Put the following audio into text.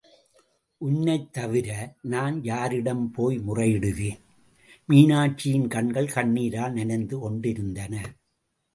உன்னைத் தவிர, நான் யாரிடம் போய் முறையிடுவேன்! மீனாட்சியின் கண்கள் கண்ணீரால் நனைந்து கொண்டிருந்தன.